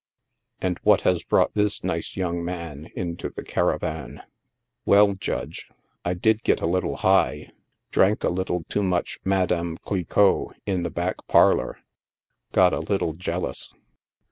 And what has brought this nice young man into the caravan ? 16 Well, Judge, I did get a little high— drank a little too much « Madam Cliquot' in the back parlor ; got a little jealous.